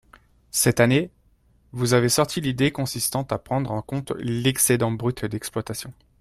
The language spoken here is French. Cette année, vous avez sorti l’idée consistant à prendre en compte l’excédent brut d’exploitation.